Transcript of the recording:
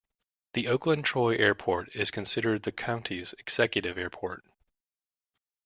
The Oakland-Troy Airport is considered the County's 'executive' airport.